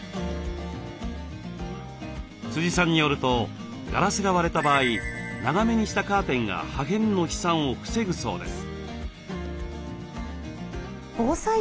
さんによるとガラスが割れた場合長めにしたカーテンが破片の飛散を防ぐそうです。